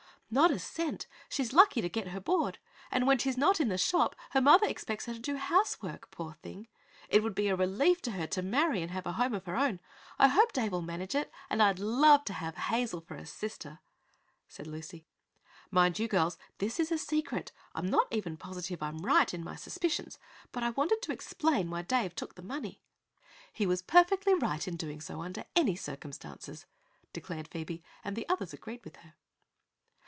"Not a cent. She's lucky to get her board. And when she's not in the shop her mother expects her to do housework. Poor thing! It would be a relief to her to marry and have a home of her own. I hope Dave'll manage it, and I'd love to have Hazel for a sister," said Lucy. "Mind you, girls, this is a secret; I'm not even positive I'm right in my suspicions; but I wanted to explain why Dave took the money." "He was perfectly right in doing so, under any circumstances," declared Phoebe, and the others agreed with her.